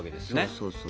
そうそう。